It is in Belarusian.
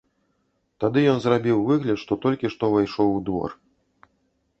Тады ён зрабіў выгляд, што толькі што ўвайшоў у двор.